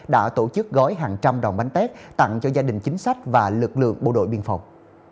đã tổ chức gói hàng trăm đồng bánh tết tặng cho gia đình chính sách và lực lượng bộ đội biên phòng